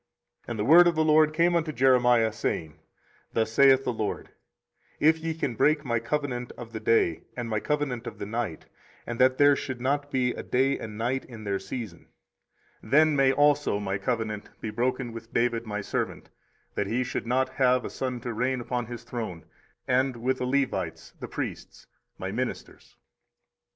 24:033:019 And the word of the LORD came unto Jeremiah, saying, 24:033:020 Thus saith the LORD; If ye can break my covenant of the day, and my covenant of the night, and that there should not be day and night in their season; 24:033:021 Then may also my covenant be broken with David my servant, that he should not have a son to reign upon his throne; and with the Levites the priests, my ministers.